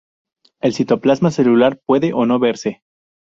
El Citoplasma celular puede, o no, verse.